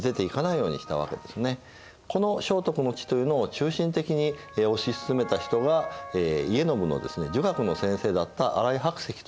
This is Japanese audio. この正徳の治というのを中心的に推し進めた人が家宣の儒学の先生だった新井白石という人なんですね。